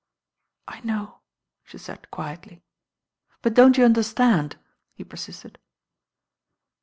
"I know," she said quiedy. ||But don't you understand?" he persisted.